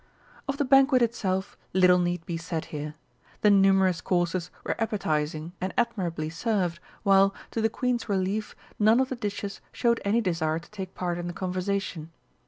Of the banquet itself little need be said here. The numerous courses were appetising and admirably served, while, to the Queen's relief, none of the dishes showed any desire to take part in the conversation.